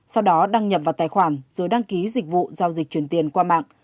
sau đó đăng nhập vào tài khoản rồi đăng ký dịch vụ giao dịch chuyển tiền qua mạng